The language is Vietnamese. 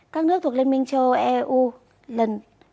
các nước thuộc liên minh châu âu uefa